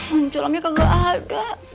bang sulamnya kagak ada